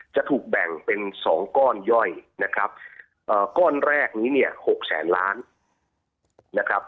จะถูกแบ่งเป็น๒ก้อนย่อยนะครับก้อนแรกนี้เนี่ย๖แสนล้านนะครับ